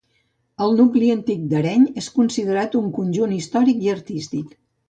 El nucli antic d'Areny és considerat un conjunt històric i artístic.